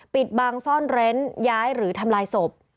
ปิดบังซ่อนเร้นย้ายหรือทำลายศพ